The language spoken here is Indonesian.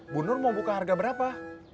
bunur mau buka harga berapa